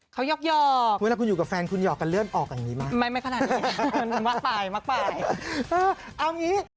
เขายอกหยอกเวลาคุณอยู่กับแฟนคุณหยอกกันเลือดออกอย่างงี้มากไม่ไม่พนักนี้มักตายมักตายเอาอย่างงี้